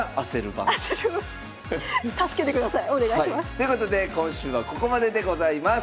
ということで今週はここまででございます。